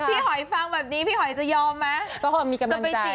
หอยฟังแบบนี้พี่หอยจะยอมไหม